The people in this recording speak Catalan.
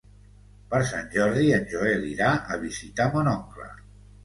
Per Sant Jordi en Joel irà a visitar mon oncle.